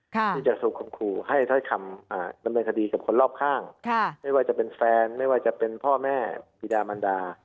ที่จะถูกคมขู่ให้ถ้อยคำดำเนินคดีกับคนรอบข้างไม่ว่าจะเป็นแฟนไม่ว่าจะเป็นพ่อแม่บีดามันดา